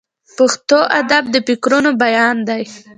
پښتو ادب د فکرونو بیان دی.